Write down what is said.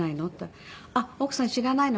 「あっ奥さん知らないのね」